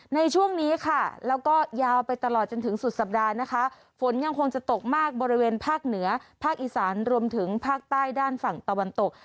ในช่วงนี้ค่ะแล้วก็ยาวไปตลอดจนถึงสุดสัปดาห์นะคะฝนยังคงจะตกมากบริเวณภาคเหนือภาคอีสานรวมถึงภาคใต้ด้านฝั่งตะวันตก